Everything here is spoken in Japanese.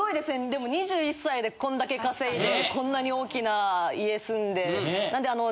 でも２１歳でこんだけ稼いでこんなに大きな家住んでなのであの。